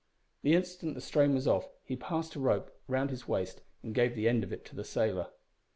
The instant the strain was off, he passed a rope round his waist and gave the end of it to the sailor.